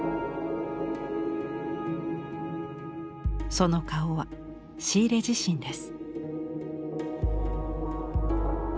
その顔はシーレ自身です。